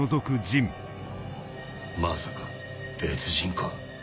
まさか別人か？